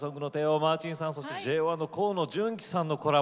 マーチンさんとＪＯ１の河野さんのコラボ